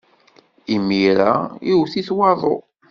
Imir-a iwet-it waḍu.